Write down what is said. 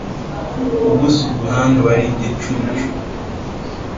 ubuze ubuhanga aba ari igicucu.